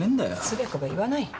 つべこべ言わない。